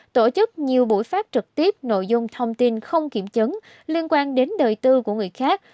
tổ chức nhiều buổi phát trực tiếp nội dung thông tin không kiểm chứng liên quan đến đời tư của người khác